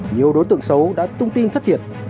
nhiều đối tượng xấu đã tung tin thất thiệt